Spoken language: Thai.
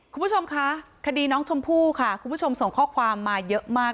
คุณผู้ชมคะคดีน้องชมพู่ค่ะคุณผู้ชมส่งข้อความมาเยอะมาก